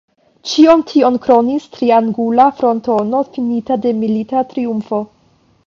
Ĉion tion kronis triangula frontono finita de milita triumfo.